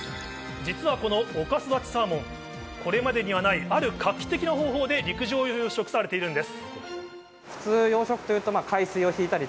実はこの、おかそだちサーモン、これまでにはないある画期的な方法で陸上養殖されているんです。